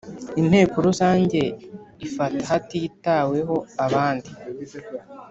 Inteko Rusange ifata hatitaweho abandi